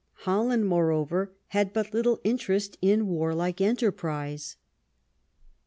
Holland, moreover, had but little interest in warlike enterprise.